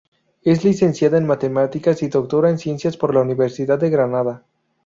Es licenciada en Matemáticas y doctora en Ciencias por la Universidad de Granada.